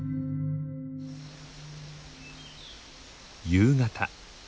夕方。